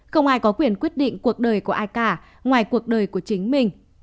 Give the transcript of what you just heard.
không ai có quyền quyết định cuộc đời của ai cả ngoài cuộc đời của chính mình